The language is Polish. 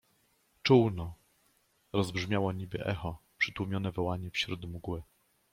Czółno! — rozbrzmiało niby echo przytłumione wołanie wśród mgły.